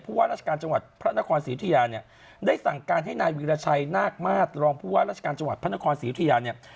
ว่าราชการจังหวัดพระนครศรีอุทยาเนี่ยได้สั่งการให้นายวีรชัยนาคมาสรองผู้ว่าราชการจังหวัดพระนครศรียุธยาเนี่ย